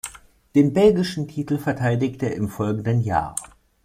Den belgischen Titel verteidigte er im folgenden Jahr.